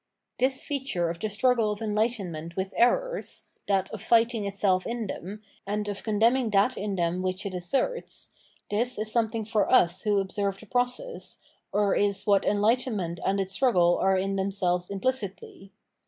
This feature of the struggle of enlightenment with errors, — that of fighting itself in them, and of condemn ing that in them which it asserts, — this is something for us who observe the process, or is what enlightenment and its struggle are in themselves implicitly.